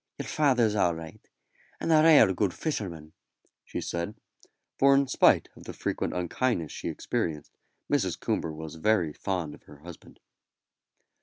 "Yer father's all right, and a rare good fisherman," she said; for in spite of the frequent unkindness she experienced, Mrs. Coomber was very fond of her husband.